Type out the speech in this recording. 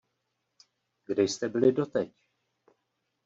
Kde jste byli doteď?